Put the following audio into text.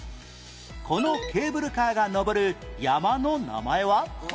このケーブルカーが登る山の名前は？